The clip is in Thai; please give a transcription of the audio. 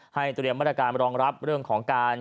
เตรียมมาตรการรองรับเรื่องของการ